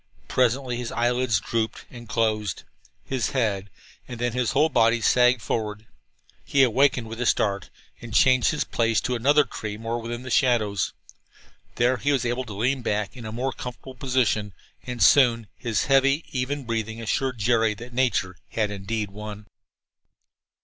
Presently his lids drooped and closed. His head, and then his whole body, sagged forward. He wakened with a start and changed his place to another tree more within the shadows. There he was able to lean back in a more comfortable position, and soon his heavy, even breathing assured Jerry that nature had, indeed, won.